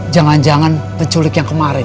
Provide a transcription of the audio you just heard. jangan jangan penculik yang kemarin